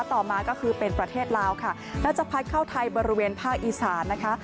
ต่อมาก็คือเป็นประเทศลาวค่ะแล้วจะพัดเข้าไทยบริเวณภาคอีสานนะคะ